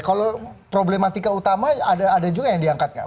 kalau problematika utama ada juga yang diangkat nggak